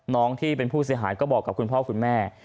ที่เป็นผู้เสียหายก็บอกกับคุณพ่อคุณแม่